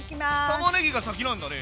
たまねぎが先なんだね。